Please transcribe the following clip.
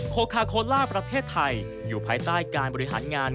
โคคาโคล่าประเทศไทยอยู่ภายใต้การบริหารงาน